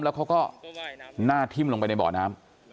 แล้วเขาก็หน้าทิ้มลงไปในบ่อน้ำ